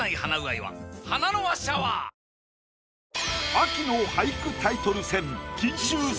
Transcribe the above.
秋の俳句タイトル戦。